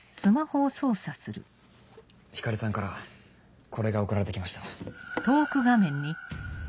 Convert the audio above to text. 光莉さんからこれが送られて来ました。